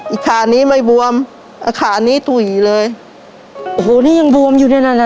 ขานี้ไม่บวมขานี้ตุ๋ยเลยโอ้โหนี่ยังบวมอยู่ในนั้นอ่ะ